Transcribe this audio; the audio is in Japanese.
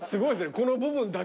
この部分だけって。